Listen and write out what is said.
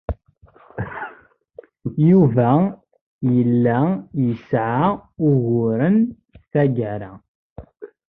Yuba yella yesɛa uguren tagara-a.